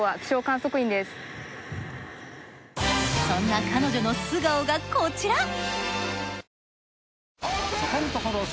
そんな彼女の素顔がこちら。